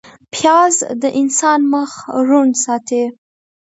پیاز د انسان مخ روڼ ساتي